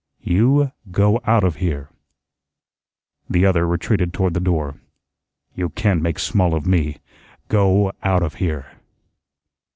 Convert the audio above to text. "You go out of here." The other retreated toward the door. "You can't make small of me. Go out of here."